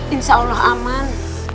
insya allah aman